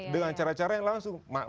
dengan cara cara yang langsung